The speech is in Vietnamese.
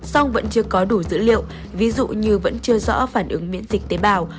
song vẫn chưa có đủ dữ liệu ví dụ như vẫn chưa rõ phản ứng miễn dịch tế bào